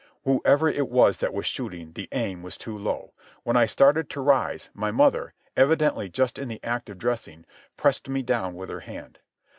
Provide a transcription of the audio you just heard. Whoever it was that was shooting, the aim was too low. When I started to rise, my mother, evidently just in the act of dressing, pressed me down with her hand.